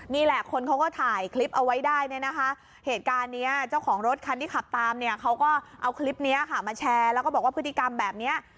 นี่แหละคนเขาก็ถ่ายคลิปเอาไว้ได้เนี่ยนะคะเหตุการณ์นี้เจ้าของรถคันที่ขับตามเนี่ยเขาก็เอาคลิปนี้ค่ะมาแชร์แล้วก็บอกว่าพฤติกรรมแบบนี้